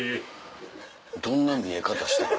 どんな見え方してた？